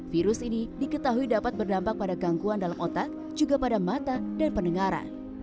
virus ini diketahui dapat berdampak pada gangguan dalam otak juga pada mata dan pendengaran